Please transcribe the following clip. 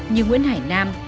như nguyễn hải nam